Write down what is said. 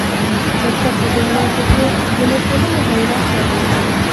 مەكتەپ مۇدىرىنىڭ سۆزى مېنى تولىمۇ ھەيران قالدۇردى.